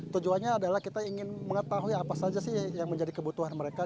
tujuannya adalah kita ingin mengetahui apa saja sih yang menjadi kebutuhan mereka